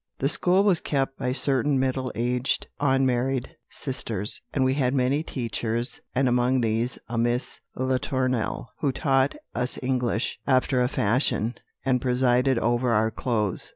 "The school was kept by certain middle aged unmarried sisters; and we had many teachers, and among these a Miss Latournelle, who taught us English after a fashion, and presided over our clothes.